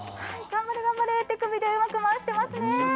頑張れ、頑張れ、手首でうまく回していますね。